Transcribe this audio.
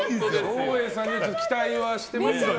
照英さんに期待はしていますよね。